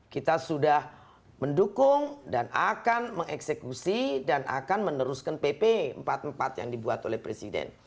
kita sudah mendukung dan akan mengeksekusi dan akan meneruskan pp empat puluh empat yang dibuat oleh presiden